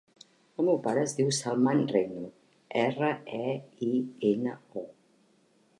El meu pare es diu Salman Reino: erra, e, i, ena, o.